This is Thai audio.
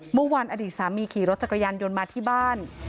อดีตสามีขี่รถจักรยานยนต์มาที่บ้าน